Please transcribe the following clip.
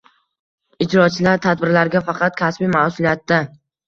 Ijrochilar tadbirlarga faqat kasbiy mas’uliyatda.